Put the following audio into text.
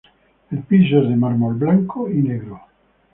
El piso es de mármol blanco y negro.